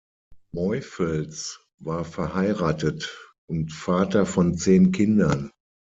Meuffels war verheiratet und Vater von zehn Kindern.